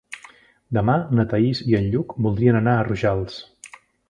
Demà na Thaís i en Lluc voldrien anar a Rojals.